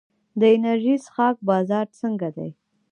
د انرژي څښاک بازار څنګه دی؟